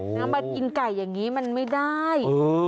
น้ำกำลังมากินไก่แบบนี้มันไม่ได้